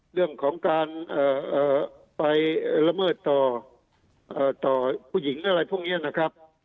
เรื่องของการไปละเมิดต่อต่อผู้หญิงอะไรพวกนี้นะครับ